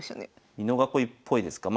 美濃囲いっぽいですか？